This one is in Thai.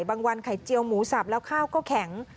วันไข่เจียวหมูสับแล้วข้าวก็แข็ง